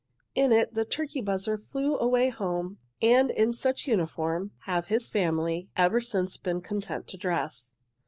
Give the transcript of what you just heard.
In it the turkey buzzard flew away home, and in such uniform have his family ever since been content to dress.